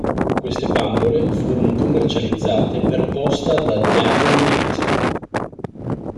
Queste bambole furono commercializzate per posta da Danbury Mint.